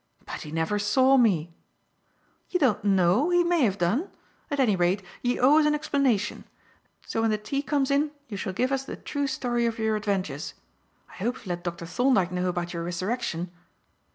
"But he never saw me." "You don't know. He may have done. At any rate, you owe us an explanation; so, when the tea comes in you shall give us the true story of your adventures. I hope you've let Dr. Thorndyke know about your resurrection."